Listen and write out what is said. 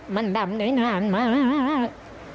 มันดำได้นานมาก